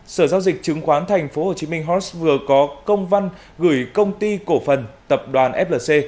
sở giao dịch chứng khoán tp hcm hots vừa có công văn gửi công ty cổ phần tập đoàn flc